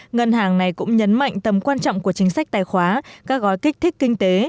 ngân hàng này cũng nhấn mạnh tầm quan trọng của chính sách tài khoá các gói kích thích kinh tế